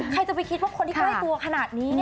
ใครจะไปคิดว่าคนที่ใกล้ตัวขนาดนี้